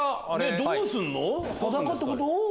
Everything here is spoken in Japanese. どうすんの？